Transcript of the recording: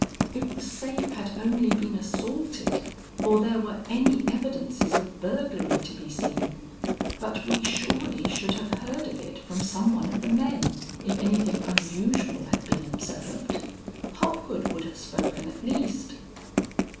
If the safe had only been assaulted, or there were any evidences of burglary to be seen! But we surely should have heard of it from some one of the men, if anything unusual had been observed. Hopgood would have spoken at least."